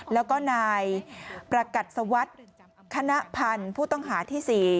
แล้วก็ในประกัติศวรรษคณะพันธ์ผู้ต้องหาที่๔